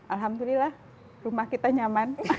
alhamdulillah rumah kita nyaman